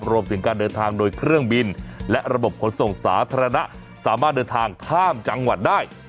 รวมถึงการเดินทางโดยเครื่องบินและระบบขนส่งสาธารณะสามารถเดินทางข้ามจังหวัดได้